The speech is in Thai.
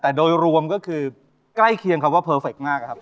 แต่โดยรวมก็คือใกล้เคียงคำว่าเพอร์เฟคมากครับ